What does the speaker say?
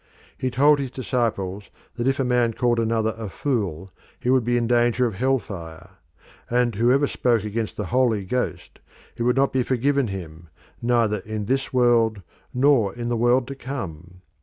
He told his disciples that if a man called another a fool he would be in danger of hell fire; and whoever spoke against the Holy Ghost, it would not be forgiven him "neither in this world nor in the world to come."